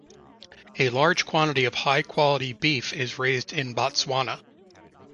A large quantity of high-quality beef is raised in Botswana.